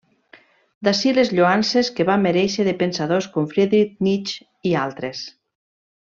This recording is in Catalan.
D'ací les lloances que va merèixer de pensadors com Friedrich Nietzsche i altres.